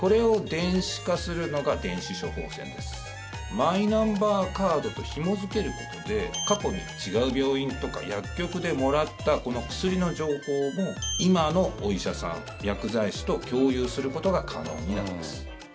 マイナンバーカードとひも付けることで過去に違う病院とか薬局でもらった薬の情報も今のお医者さん、薬剤師と共有することが可能になります。